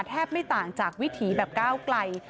ไม่ต่างจากวิถีแบบก้าวไกล